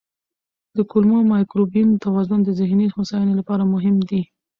د کولمو مایکروبیوم توازن د ذهني هوساینې لپاره مهم دی.